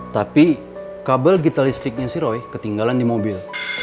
tapi kabel gita listriknya si roy ketinggalan di mobil